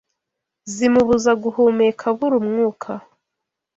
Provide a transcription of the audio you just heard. Zimubuza guhumeka abura umwuka